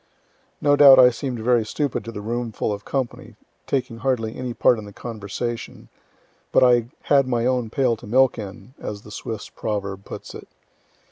(No doubt I seem'd very stupid to the roomful of company, taking hardly any part in the conversation; but I had "my own pail to milk in," as the Swiss proverb puts it.)